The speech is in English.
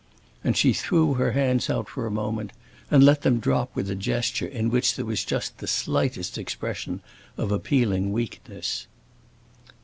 And she threw her hands out for a moment and let them drop with a gesture in which there was just the slightest expression of appealing weakness.